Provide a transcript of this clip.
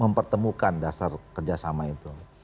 mempertemukan dasar kerjasama itu